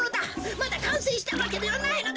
まだかんせいしたわけではないのだ！